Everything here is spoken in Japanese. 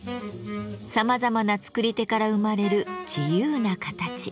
さまざまな作り手から生まれる自由な形。